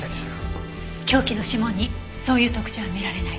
凶器の指紋にそういう特徴は見られない。